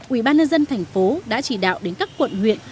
ubnd thành phố đã chỉ đạo đến các quận huyện